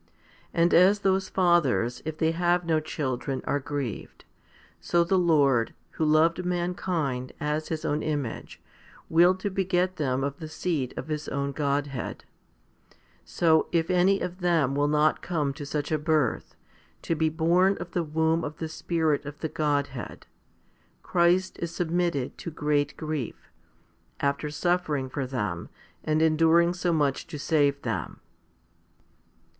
And as those fathers, if they have no children, are grieved, so the Lord, who loved mankind as His own image, willed to beget them of the seed of His own Godhead ; so, if any of them will not come to such a birth, to be born of the womb of the Spirit of the Godhead, Christ is submitted to great grief, after suffering for them and enduring so much to save them.